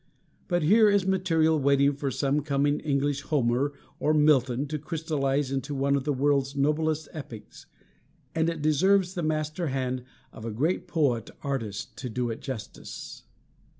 But here is material waiting for some coming English Homer or Milton to crystallize into one of the world's noblest epics; and it deserves the master hand of a great poet artist to do it justice.